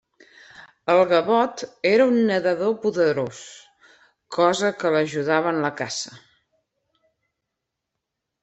El gavot era un nedador poderós, cosa que l'ajudava en la caça.